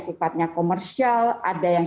sifatnya komersial ada yang